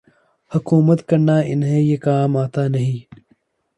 حکومت کرنا انہیں یہ کام آتا نہیں۔